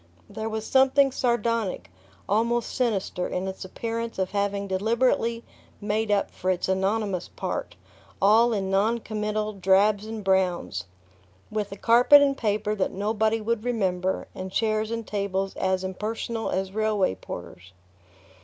There was something sardonic, almost sinister, in its appearance of having deliberately "made up" for its anonymous part, all in noncommittal drabs and browns, with a carpet and paper that nobody would remember, and chairs and tables as impersonal as railway porters.